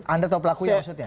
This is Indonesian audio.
anda tahu pelakunya maksudnya